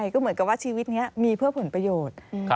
ก็เหมือนกับว่าชีวิตนี้มีเพื่อผลประโยชน์